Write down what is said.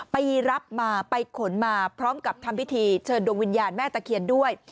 ไปรับมาไปขนมาพร้อมกับทำพิธีเชิญดวงวิญญาณแม่ตะเคียนด้วย